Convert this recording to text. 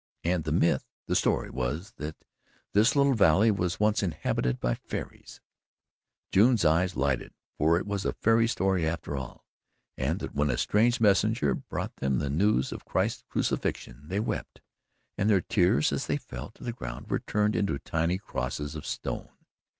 And the myth the story was that this little valley was once inhabited by fairies June's eyes lighted, for it was a fairy story after all and that when a strange messenger brought them the news of Christ's crucifixion, they wept, and their tears, as they fell to the ground, were turned into tiny crosses of stone.